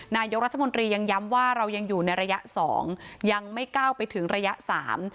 นายกรัฐมนตรียังย้ำว่าเรายังอยู่ในระยะสองยังไม่ก้าวไปถึงระยะสาม